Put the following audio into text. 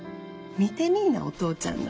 見てみいなお父ちゃんら。